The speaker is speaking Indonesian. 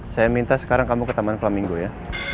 saya minta sekarang kamu ke taman pelamino ya